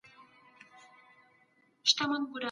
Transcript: د ذميانو حقوق په اسلامي هېواد کي خوندي دي.